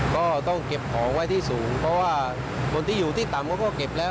ก็ต้องเก็บของไว้ที่สูงเพราะว่าคนที่อยู่ที่ต่ำเขาก็เก็บแล้ว